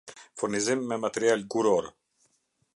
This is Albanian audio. Furnizim me material guror